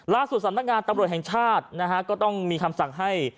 ล่าส่วนสำนักงานตำรวจแห่งชาติก็ต้องมีคำสั่งให้